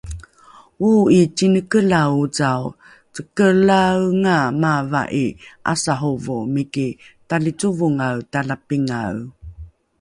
oo'i cinekelae ocao cekeelaenga maava'i 'asahovo miki talicovongae talapingae